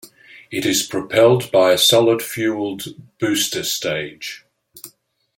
It is propelled by a solid fuelled booster stage.